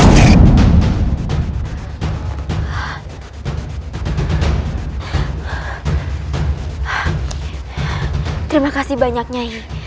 terima kasih banyaknya